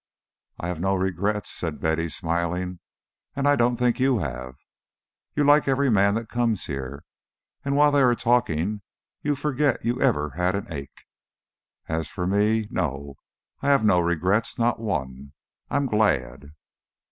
"I have no regrets," said Betty, smiling. "And I don't think you have. You like every man that comes here, and while they are talking to you forget that you ever had an ache. As for me no, I have no regrets, not one. I am glad."